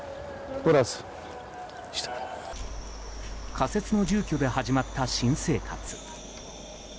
仮設の住居で始まった新生活。